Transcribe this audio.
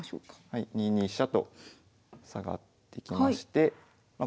はい２二飛車と下がってきましてまあ